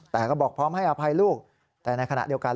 แต่ก็บอกพร้อมให้อภัยลูกแต่ในขณะเดียวกัน